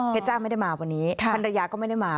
เพชรจ้าไม่ได้มาวันนี้ภรรยาก็ไม่ได้มา